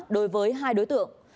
đối với hai đối tượng